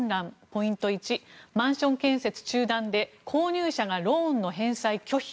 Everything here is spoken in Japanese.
ポイント１マンション建設中断で購入者がローンの返済拒否。